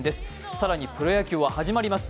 更にプロ野球は始まります。